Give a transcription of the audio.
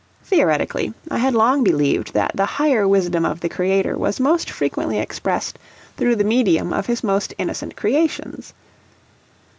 Theoretically, I had long believed that the higher wisdom of the Creator was most frequently expressed through the medium of his most innocent creations.